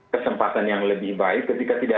kesempatan yang lebih baik ketika tidak